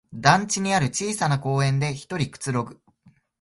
団地にある小さな公園でひとりくつろぐ